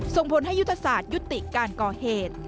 ส่งผลให้ยุทธศาสตร์ยุติการก่อเหตุ